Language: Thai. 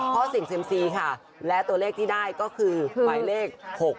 พ่อเสียงเซ็มซีค่ะและตัวเลขที่ได้ก็คือไว้เลข๖๘๕